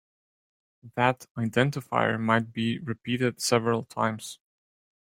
That identifier might be repeated several times.